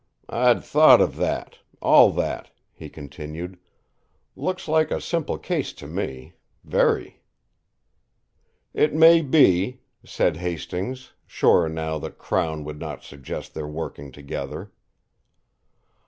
"I'd thought of that all that," he continued. "Looks like a simple case to me very." "It may be," said Hastings, sure now that Crown would not suggest their working together.